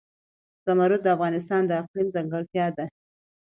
زمرد د افغانستان د اقلیم ځانګړتیا ده.